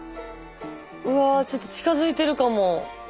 うわちょっと近づいてるかも。